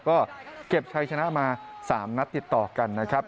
ก็เก็บชัยชนะมา๓นัดติดต่อกันนะครับ